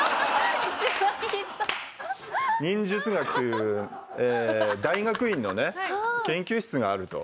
忍術学大学院のね研究室があると。